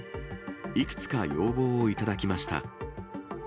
いくつか要望を頂きました。